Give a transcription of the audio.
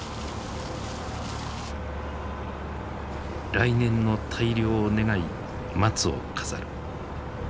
来年の大漁を願い松を飾る。